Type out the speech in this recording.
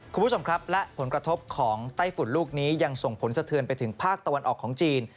คุณผู้ชมครับและผลกระทบของไต้ฝุ่นลูกนี้ยังส่งผลสะเทือนไปถึงภาคตะวันออกของจีน